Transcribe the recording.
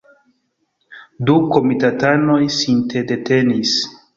Du komitatanoj sintedetenis.